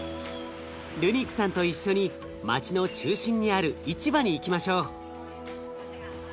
ルニクさんと一緒に街の中心にある市場に行きましょう。